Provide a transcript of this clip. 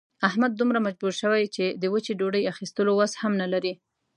احمد دومره مجبور شوی چې د وچې ډوډۍ اخستلو وس هم نه لري.